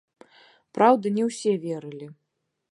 Праўда, не ўсе верылі.